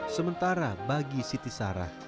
sementara bagi siti sarah